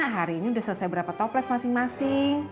hari ini sudah selesai berapa toples masing masing